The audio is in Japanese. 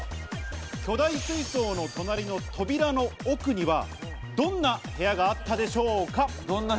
巨大水槽の隣の扉の奥には、どんな部屋があったでしょうか？